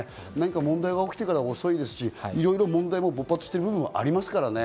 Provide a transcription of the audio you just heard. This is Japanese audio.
問題が起きてからでは遅いし、いろんな問題が起きてる部分もありますからね。